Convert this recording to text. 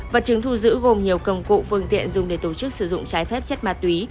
vật chứng thu giữ gồm nhiều công cụ phương tiện dùng để tổ chức sử dụng trái phép chất ma túy